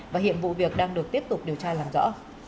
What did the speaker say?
và hiện vụ việc đang được tiếp tục điều tra làm rõ